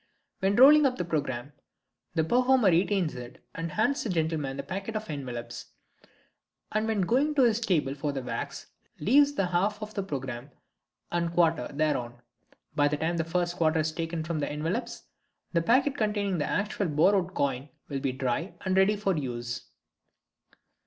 When rolling up the programme the performer retains it and hands the gentleman the packet of envelopes; and when going to his table for the wax leaves the half of the programme and the quarter thereon. By the time the first quarter is taken from the envelopes the packet containing the actual borrowed coin will be dry and ready for use.